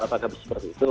apakah seperti itu